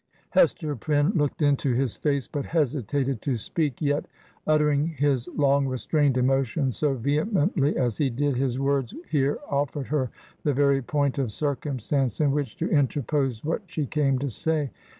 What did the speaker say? Hester Prynne looked into his face, but hesitated to speak. Yet, uttering his long restrained emotions so vehemently as he did, his words here oflFered her the very point of circumstance in which to interpose what she came to say.